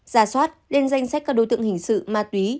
giả soát lên danh sách các đối tượng hình sự ma túy